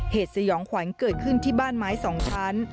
สยองขวัญเกิดขึ้นที่บ้านไม้๒ชั้น